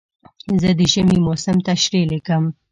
زه د ژمي موسم تشریح لیکم.